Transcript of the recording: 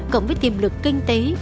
cộng với tiềm lực kinh tế